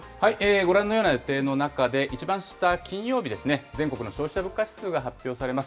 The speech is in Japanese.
ご覧のような予定の中で、一番下、金曜日ですね、全国の消費者物価指数が発表されます。